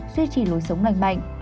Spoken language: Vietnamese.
sáu duy trì lối sống lành mạnh